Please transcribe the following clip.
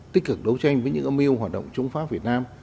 tích cực đấu tranh với những âm mưu hoạt động chống pháp việt nam